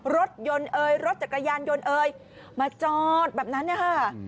รถยนต์เอ่ยรถจักรยานยนต์เอ่ยมาจอดแบบนั้นนะคะ